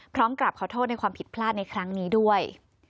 กลับขอโทษในความผิดพลาดในครั้งนี้ด้วย